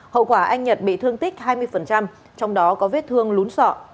hậu quả anh nhật bị thương tích hai mươi trong đó có vết thương lún sọ